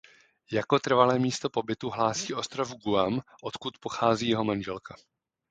Jako trvalé místo pobytu hlásí ostrov Guam odkud pochází jeho manželka.